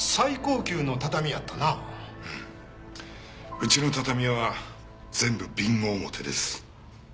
うちの畳は全部備後表です。